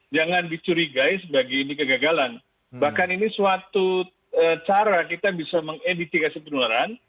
jangan dicurigai sebagai ini kegagalan bahkan ini suatu cara kita bisa mengeditikasi penularan